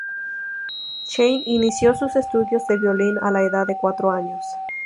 Chen inició sus estudios de violín a la edad de cuatro años.